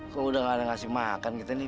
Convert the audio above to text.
kok udah nggak ada yang ngasih makan kita nih